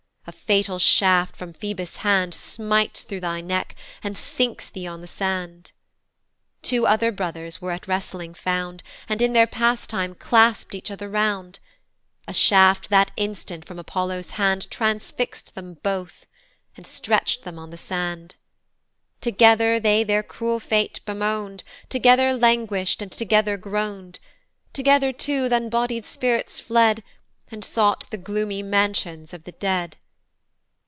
a fatal shaft from Phoebus' hand Smites thro' thy neck, and sinks thee on the sand. Two other brothers were at wrestling found, And in their pastime claspt each other round: A shaft that instant from Apollo's hand Transfixt them both, and stretcht them on the sand: Together they their cruel fate bemoan'd, Together languish'd, and together groan'd: Together too th' unbodied spirits fled, And sought the gloomy mansions of the dead.